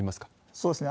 そうですね。